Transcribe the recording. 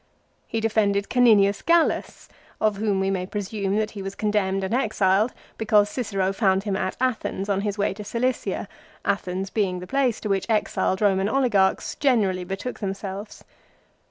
He defended Caninius Gallus, of whom we may presume that he was con demned and exiled because Cicero found him at Athens on his way to Cilicia, Athens being the place to which exiled Roman oligarchs generally betook themselves.